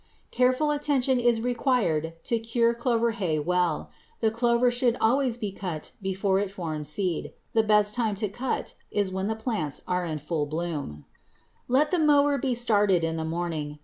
Careful attention is required to cure clover hay well. The clover should always be cut before it forms seed. The best time to cut is when the plants are in full bloom. [Illustration: FIG. 233. CRIMSON CLOVER] Let the mower be started in the morning.